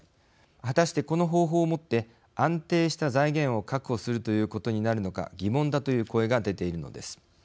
果たして、この方法をもって安定した財源を確保するということになるのか疑問だという声が出ているのです。